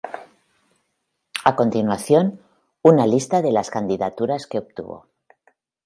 A continuación, una lista de las candidaturas que obtuvo.